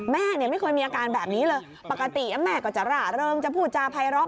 แม่เนี่ยไม่เคยมีอาการแบบนี้เลยปกติแม่ก็จะร่าเริงจะพูดจาภัยร้อ